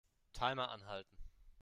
Timer anhalten.